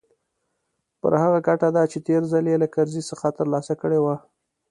پر هغه ګټه ده چې تېر ځل يې له کرزي څخه ترلاسه کړې وه.